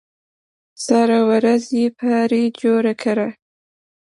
سره ورځ یې پرې جوړه کړه.